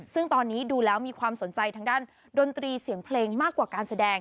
ซึ่งตอนนี้ดูแล้วมีความสนใจทางด้านดนตรีเสียงเพลงมากกว่าการแสดง